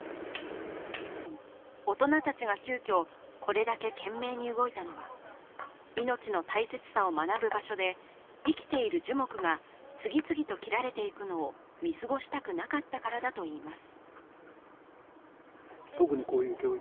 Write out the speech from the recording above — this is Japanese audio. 大人たちが急きょ、これだけ懸命に動いたのは命の大切さを学ぶ場所で生きている樹木が次々と切られていくのを見過ごしたくなかったからだといいます。